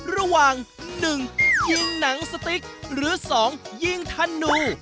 ระหว่าง๑ยิงหนังสติ๊กหรือ๒ยิงธนู